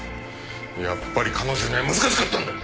やっぱり彼女には難しかったんだ！